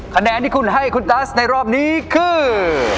คะแนนที่คุณให้คุณตัสในรอบนี้คือ